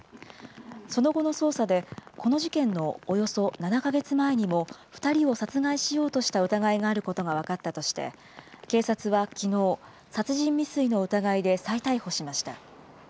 その後の捜査で、この事件のおよそ７か月前にも２人を殺害しようとした疑いがあることが分かったとして、警察はきのう、殺人未遂の疑いで再逮捕しました。